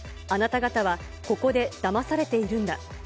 あなた方はここでだまされているんだ。